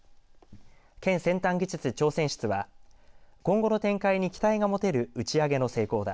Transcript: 県先端技術挑戦室は今後の展開に期待が持てる打ち上げの成功だ。